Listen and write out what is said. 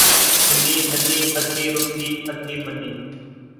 دھنی دھنی ، ادھی رُٹھی ادھی مَنی